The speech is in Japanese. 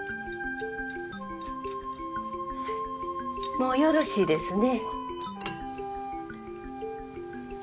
もうよろしいですね。